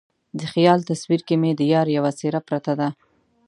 د خیال تصویر کې مې د یار یوه څیره پرته ده